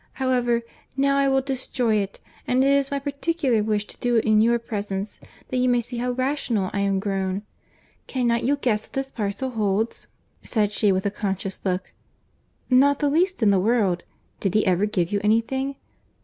—However, now I will destroy it all—and it is my particular wish to do it in your presence, that you may see how rational I am grown. Cannot you guess what this parcel holds?" said she, with a conscious look. "Not the least in the world.—Did he ever give you any thing?"